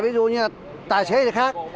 ví dụ như là tài xế hay gì khác